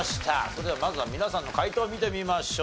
それではまずは皆さんの解答を見てみましょう。